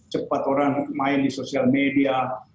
cepat orang main di sosial media